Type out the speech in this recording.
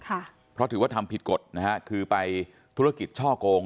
ค่ะเพราะถือว่าทำผิดกฎนะฮะคือไปธุรกิจช่อโกง